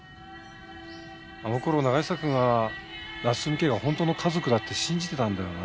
あの頃永久くんは夏富家が本当の家族だって信じてたんだよな。